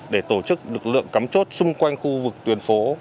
để tổ chức lực lượng cắm chốt xung quanh khu vực tuyến phố